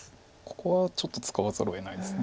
ここはちょっと使わざるをえないです。